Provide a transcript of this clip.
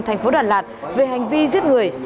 thành phố đà lạt về hành vi giết người